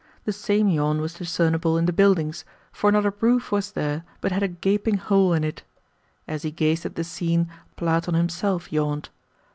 The same yawn was discernible in the buildings, for not a roof was there but had a gaping hole in it. As he gazed at the scene Platon himself yawned.